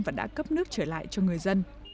và đã cấp nước trở lại cho người dân